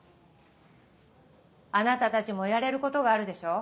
あなたたちもやれることがあるでしょ。